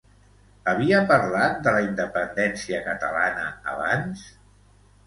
Havia parlat de la independència catalana abans?